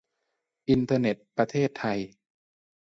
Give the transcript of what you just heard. อินเทอร์เน็ตประเทศไทย